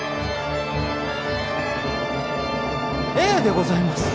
Ａでございます。